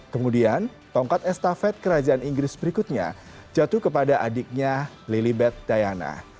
kemudian tongkat estafet kerajaan inggris berikutnya jatuh kepada adiknya lilibeth diana